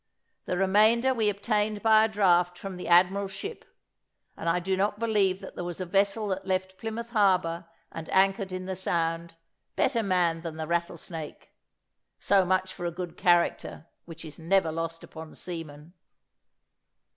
The remainder we obtained by a draft from the admiral's ship; and I do not believe that there was a vessel that left Plymouth harbour and anchored in the Sound, better manned than the Rattlesnake. So much for a good character, which is never lost upon seamen.